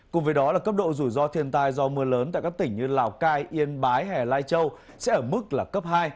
cùng với đó là cấp độ rủi ro thiên tai do mưa lớn tại các tỉnh như lào cai yên bái hay lai châu sẽ ở mức là cấp hai